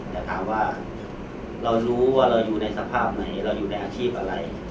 แต่ถามว่าเรารู้ว่าเราอยู่ในสภาพไหนเราอยู่ในอาชีพอะไร